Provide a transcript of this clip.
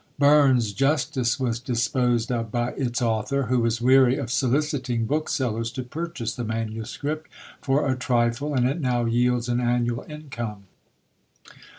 Burn's Justice was disposed of by its author, who was weary of soliciting booksellers to purchase the MS., for a trifle, and it now yields an annual income.